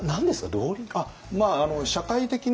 道理。